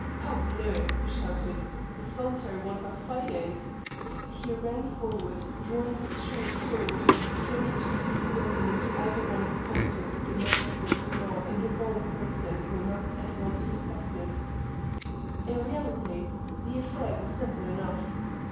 "Parbleu," he shouted, "the solitary ones are fighting!" He ran forward, drawing his short sword, ready to stick the weapon into either of the combatants if the majesty of the law in his own person were not at once respected. In reality, the affair was simple enough.